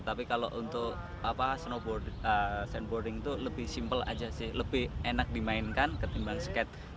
tapi kalau untuk snowboarding itu lebih simple aja sih lebih enak dimainkan ketimbang skate